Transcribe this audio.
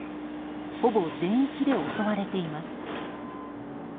ほぼ全域で襲われています。